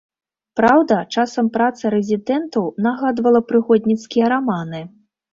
Праўда, часам праца рэзідэнтаў нагадвала прыгодніцкія раманы.